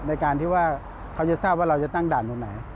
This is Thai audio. ในการที่ว่าเขาจะทราบว่าเราจะตั้งด่านตรงไหน